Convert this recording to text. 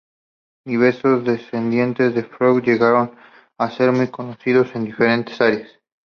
Diversos descendientes de Freud llegaron a ser muy conocidos en diferentes áreas.